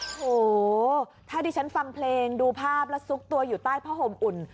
โอ้โหถ้าดิฉันฟังเพลงดูภาพแล้วซุกตัวอยู่ใต้ผ้าห่มอุ่น